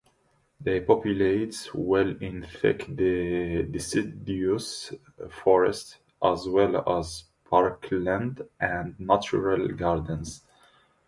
They populate well in thick deciduous forests, as well as parkland and natural gardens.